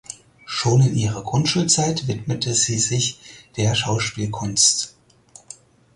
Schon in ihrer Grundschulzeit widmete sie sich der Schauspielkunst.